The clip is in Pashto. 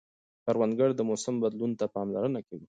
کروندګر د موسم بدلون ته پاملرنه کوي